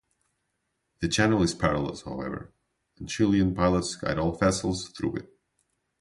The channel is perilous, however, and Chilean pilots guide all vessels through it.